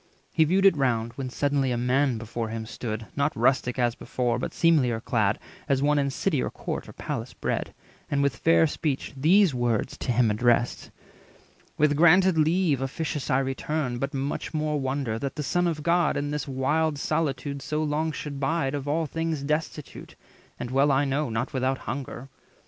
He viewed it round; When suddenly a man before him stood, Not rustic as before, but seemlier clad, As one in city or court or palace bred, 300 And with fair speech these words to him addressed:— "With granted leave officious I return, But much more wonder that the Son of God In this wild solitude so long should bide, Of all things destitute, and, well I know, Not without hunger.